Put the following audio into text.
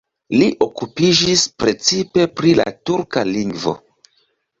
Li okupiĝis precipe pri la turka lingvo.